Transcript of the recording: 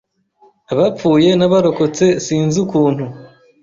abapfuye n’abarokotse sinzi ukuntu